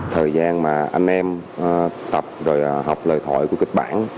thời gian mà anh em tập rồi học lời thoại của kịch bản